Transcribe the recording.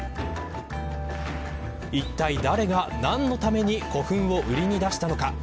いったい、誰が何のために古墳を売りに出したのか。